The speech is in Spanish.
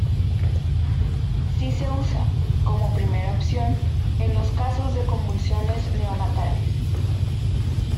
Sí se usa, como primera opción, en los casos de convulsiones neonatales.